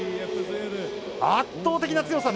圧倒的な強さ。